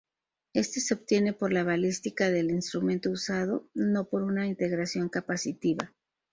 Este se obtiene por la balística del instrumento usado, no por una integración capacitiva.